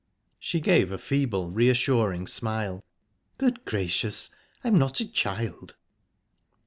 She gave a feeble, reassuring smile. "Good gracious! I'm not a child."